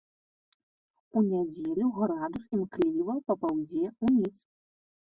У нядзелю градус імкліва папаўзе ўніз.